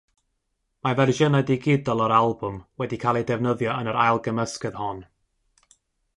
Mae fersiynau digidol o'r albwm wedi cael eu defnyddio yn yr ail-gymysgedd hon.